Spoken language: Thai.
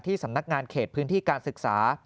สำนักงานเขตพื้นที่การศึกษา